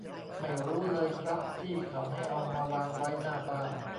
ไม่รู้เลยครับ พี่เขาให้เอามาวางไว้หน้าบ้าน